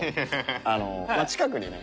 あのこの近くにね